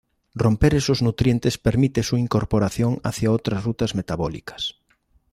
Romper esos nutrientes permite su incorporación hacia otras rutas metabólicas.